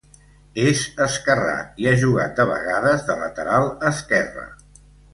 És esquerrà i ha jugat de vegades de lateral esquerre.